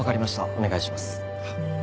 お願いします。